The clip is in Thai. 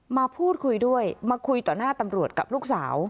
มาพูดคุยด้วยมาคุยต่อหน้าตำรวจกับลูกสาว